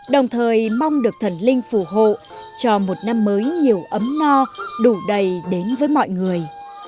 đồng thời mong được thần linh phù hộ cho một năm mới nhiều ấm no đủ đầy đến với mọi người